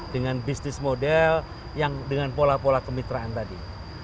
dengan bisnis model yang dengan pola pola kemitraan tadi